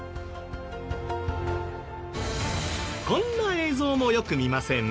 こんな映像もよく見ません？